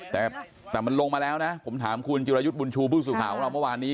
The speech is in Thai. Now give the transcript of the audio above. แต่มันลงมาแล้วนะผมถามคุณจิลยุทธ์บุญชูพฤษฐาของเราเมื่อวานนี้